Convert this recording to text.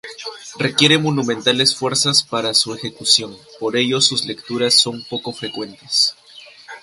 Requiere monumentales fuerzas para su ejecución, por ello sus lecturas son poco frecuentes.